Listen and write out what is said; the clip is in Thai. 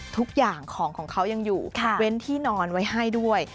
ทุกอย่างของของเขายังอยู่เว้นที่นอนไว้ให้ด้วย